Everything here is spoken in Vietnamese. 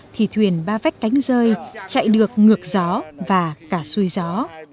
thì thuyền ba vách cánh rơi chạy được ngược gió và cả xuôi gió